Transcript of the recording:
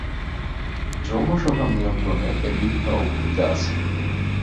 যৌন স্বভাব নিয়ন্ত্রণে এর বিভিন্ন ভুমিকা আছে।